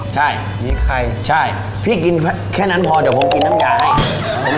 และเป็นอาหารที่แบบมากมากเหมาะสำหรับผมเลย